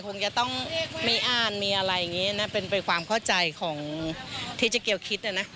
คงจะต้องไม่อ้านมีอะไรอย่างนี้นะเป็นไปความเข้าใจของที่เจ๊เกียวคิดนะนะ